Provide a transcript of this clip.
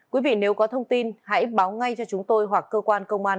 quý vị nếu có thông tin hãy báo ngay cho chúng tôi hoặc cơ quan công an